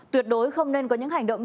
tuyệt đối không nên có những hành động